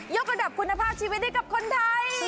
กระดับคุณภาพชีวิตให้กับคนไทย